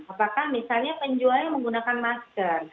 apakah misalnya penjualnya menggunakan masker